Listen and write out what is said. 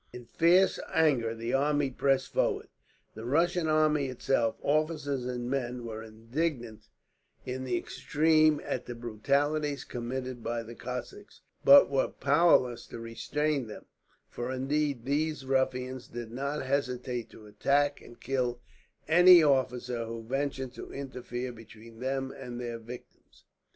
In fierce anger the army pressed forward. The Russian army itself, officers and men, were indignant in the extreme at the brutalities committed by the Cossacks, but were powerless to restrain them; for indeed these ruffians did not hesitate to attack and kill any officer who ventured to interfere between them and their victims.